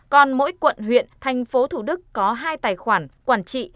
còn mỗi quận huyện thành phố thủ đức có hai tài khoản quản trị